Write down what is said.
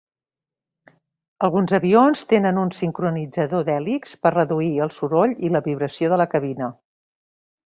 Alguns avions tenen un sincronitzador d'hèlix per reduir el soroll i la vibració de la cabina.